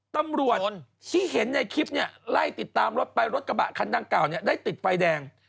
ตำรวจที่เห็นในคลิปเนี่ยไล่ติดตามรถไปรถกระบะคันดังกล่าวเนี่ยได้ติดไฟแดง